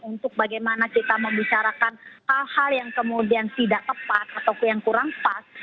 untuk bagaimana kita membicarakan hal hal yang kemudian tidak tepat atau yang kurang pas